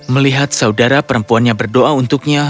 melihat saudara perempuannya berdoa untuknya